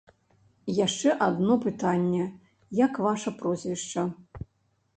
Яшчэ адно пытанне, як ваша прозвішча?